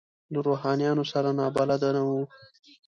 له روحانیونو سره نابلده نه وو.